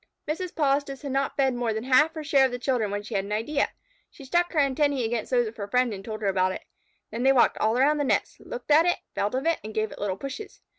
Mrs. Polistes had not fed more than half her share of children when she had an idea. She struck her antennæ against those of her friend and told her about it. Then they walked all around the nest, looked at it, felt of it, and gave it little pushes.